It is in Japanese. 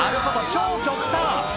超極端